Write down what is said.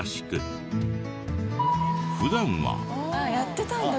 普段は。